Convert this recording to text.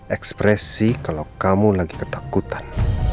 ekspresi kalau kamu lagi ketakutan